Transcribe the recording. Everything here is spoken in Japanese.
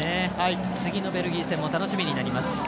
次のベルギー戦も楽しみになります。